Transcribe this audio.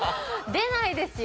出ないですよ。